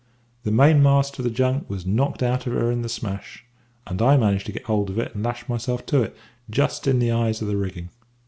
"The mainmast of the junk was knocked out of her in the smash, and I managed to get hold of it and lash myself to it, just in the eyes of the rigging.